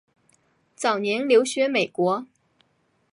早年留学美国。